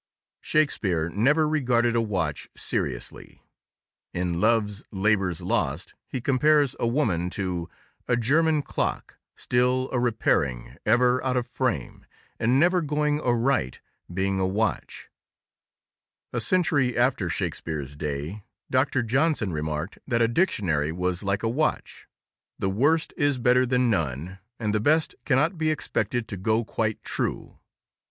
Shakespeare never regarded a watch seriously. In Love's Labour's Lost he compares a woman to A German clock, Still a repairing, ever out of frame, And never going aright, being a watch— A century after Shakespeare's day, Doctor Johnson remarked that a dictionary was like a watch: "The worst is better than none, and the best cannot be expected to go quite true."